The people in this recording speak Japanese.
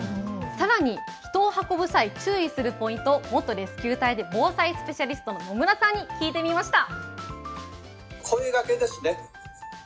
さらに人を運ぶ際、注意するポイントを元レスキュー隊で防災スペシャリストの野村さんに聞いてみました。